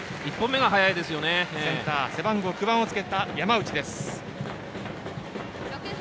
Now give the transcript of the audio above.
センター、背番号９番をつけた山内です。